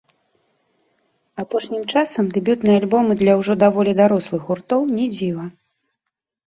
Апошнім часам дэбютныя альбомы для ўжо даволі дарослых гуртоў не дзіва.